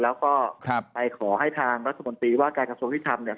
แล้วก็ไปขอให้ทางรัฐมนตรีว่าการกระทรวงยุทธรรมเนี่ย